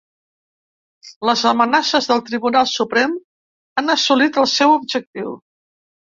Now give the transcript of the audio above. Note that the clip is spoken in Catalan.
Les amenaces del Tribunal Suprem han assolit el seu objectiu.